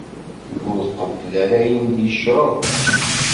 Ur qebbel ara ayen i d-yecreḍ.